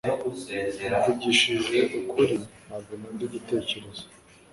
Mvugishije ukuri ntabwo nkunda igitekerezo